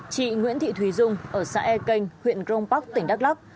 chị nguyễn thị thùy dung ở xã e kênh huyện crong park tỉnh đắk lắk